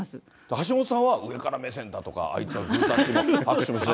橋下さんは上から目線だとか、あいつはグータッチも握手もしない。